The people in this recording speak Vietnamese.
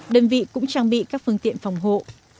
đơn vị cũng trang bị các phương tiện phòng hộ